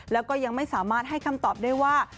แล้วก็ยังไม่สามารถให้คำตอบได้ว่า